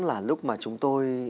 là lúc mà chúng tôi